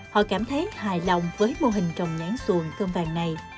họ cảm thấy hài lòng với mô hình trồng nhãn xuồng cơm vàng này